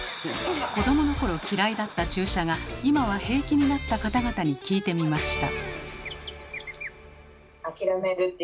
子どものころ嫌いだった注射が今は平気になった方々に聞いてみました。